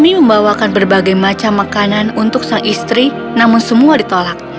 ini membawakan berbagai macam makanan untuk sang istri namun semua ditolak